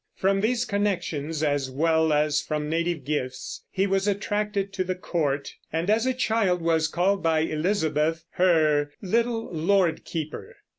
From these connections, as well as from native gifts, he was attracted to the court, and as a child was called by Elizabeth her "Little Lord Keeper."